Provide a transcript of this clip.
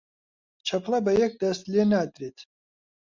چەپڵە بە یەک دەست لێ نادرێت